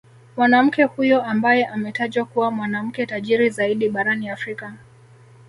Mwanamke huyo ambaye ametajwa kuwa mwanamke tajiri zaidi barani Afrika